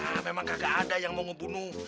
nah memang kagak ada yang mau ngebunuh